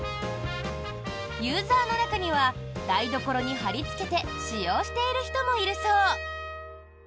ユーザーの中には台所に貼りつけて使用している人もいるそう。